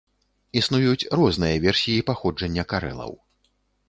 Існуюць розныя версіі паходжання карэлаў.